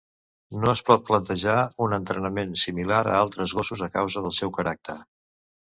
No es pot plantejar un entrenament similar a altres gossos, a causa del seu caràcter.